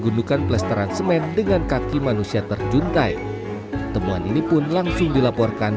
gundukan pelestaran semen dengan kaki manusia terjuntai temuan ini pun langsung dilaporkan